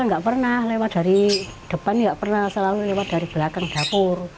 nggak pernah lewat dari depan nggak pernah selalu lewat dari belakang dapur